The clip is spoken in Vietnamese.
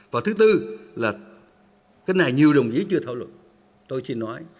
và thứ tư là cái này nhiều đồng chí chưa thảo luận tôi xin nói